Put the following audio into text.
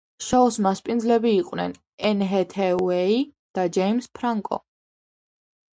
შოუს მასპინძლები იყვნენ ენ ჰეთეუეი და ჯეიმზ ფრანკო.